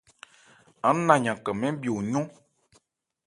Aán na yankan mɛ́n bhi o yɔ́n.